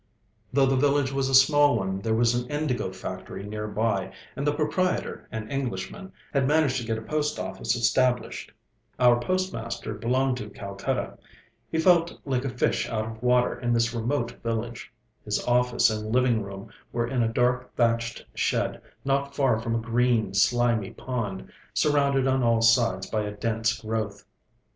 Though the village was a small one, there was an indigo factory near by, and the proprietor, an Englishman, had managed to get a post office established. Our postmaster belonged to Calcutta. He felt like a fish out of water in this remote village. His office and living room were in a dark thatched shed, not far from a green, slimy pond, surrounded on all sides by a dense growth.